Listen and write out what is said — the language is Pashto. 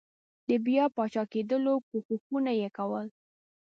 د بیا پاچاکېدلو کوښښونه یې کول.